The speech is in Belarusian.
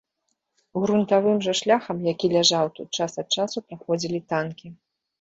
Грунтавым жа шляхам, які ляжаў тут, час ад часу праходзілі танкі.